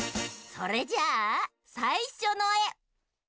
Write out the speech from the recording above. それじゃあさいしょのえ！